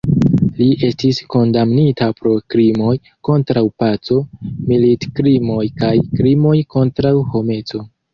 Li estis kondamnita pro krimoj kontraŭ paco, militkrimoj kaj krimoj kontraŭ homeco.